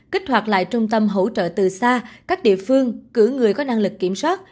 kích hoạt lại trung tâm hỗ trợ từ xa các địa phương cử người có năng lực kiểm soát